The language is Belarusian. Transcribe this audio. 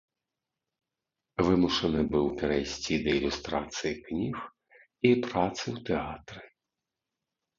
Вымушаны быў перайсці да ілюстрацыі кніг і працы ў тэатры.